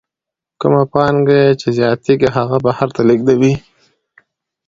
کومه پانګه یې چې زیاتېږي هغه بهر ته لېږدوي